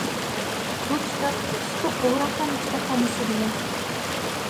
بۇ كىتاب سۇتۇق بۇغراخان كىتابخانىسىدا بار.